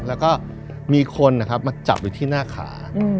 แล้วก็มีคนนะครับมาจับอยู่ที่หน้าขา